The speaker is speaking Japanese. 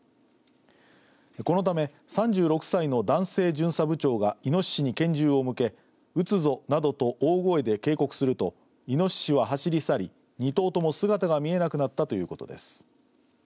このため３６歳の男性巡査部長がいのししに拳銃を向け、撃つぞなどと大声で警告するといのししは走り去り２頭とも姿が見えなくなったということです。